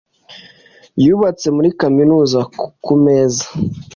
yubatse muri kaminuza ku meza